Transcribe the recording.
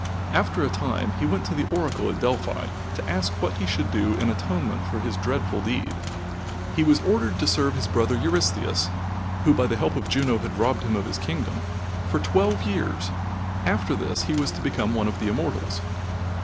After a time he went to the oracle at Delphi to ask what he should do in atonement for his dreadful deed. He was ordered to serve his brother Eurystheus who, by the help of Juno, had robbed him of his kingdom for twelve years. After this he was to become one of the Immortals.